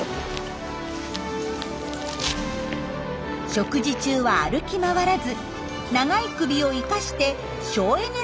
食事中は歩き回らず長い首を生かして省エネライフを送っていました。